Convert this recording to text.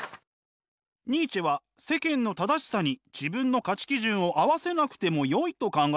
ニーチェは世間の正しさに自分の価値基準を合わせなくてもよいと考えました。